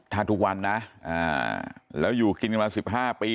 ถ้าทุกวันนะแล้วอยู่กินกันมา๑๕ปี